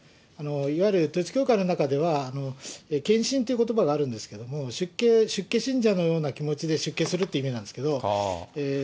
いわゆる統一教会の中では、けんしんということばがあるんですけど、出家信者のような気持ちで出家するっていう意味なんですけど、